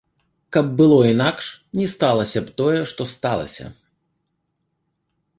Каб было інакш, не сталася б тое, што сталася.